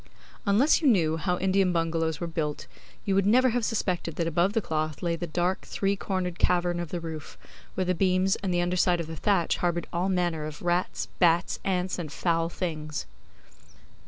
Unless you knew how Indian bungalows were built you would never have suspected that above the cloth lay the dark three cornered cavern of the roof, where the beams and the underside of the thatch harboured all manner of rats, bats, ants, and foul things.